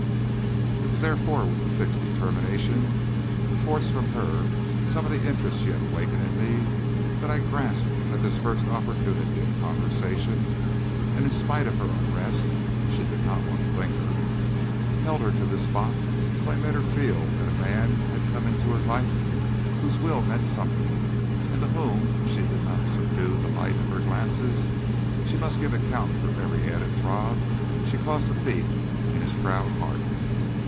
"It was therefore with the fixed determination to force from her some of the interest she had awakened in me, that I grasped at this first opportunity of conversation; and in spite of her unrest she did not want to linger held her to the spot till I had made her feel that a man had come into her life whose will meant something, and to whom, if she did not subdue the light of her glances, she must give account for every added throb she caused to beat in his proud heart.